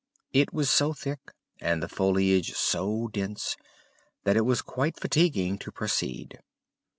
It was so thick, and the foliage so dense, that it was quite fatiguing to proceed.